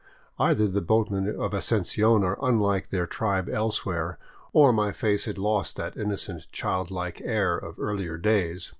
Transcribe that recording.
Either the boatmen of Asuncion are unlike their tribe elsewhere, or my face had lost that innocent, child like air of earlier days.